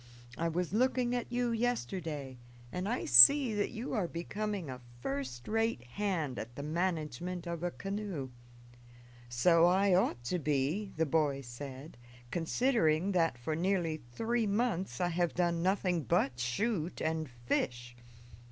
I was looking at you yesterday, and I see that you are becoming a first rate hand at the management of a canoe." "So I ought to be," the boy said, "considering that for nearly three months I have done nothing but shoot and fish."